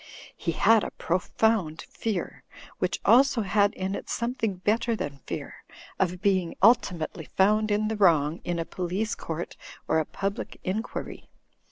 He had a profound fear, which also had in it something better than fear, of being ultimately found in the wrong in a police court or a public inquiry.